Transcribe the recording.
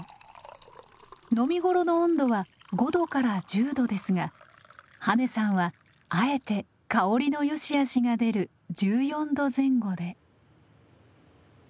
飲み頃の温度は５度から１０度ですが羽根さんはあえて香りのよしあしが出る１４度前後で。